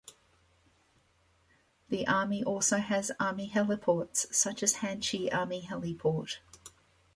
The Army also has "Army Heliports" such as Hanchey Army Heliport.